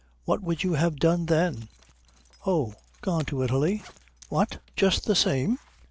What would you have done then?" "Oh, gone to Italy." "What, just the same?"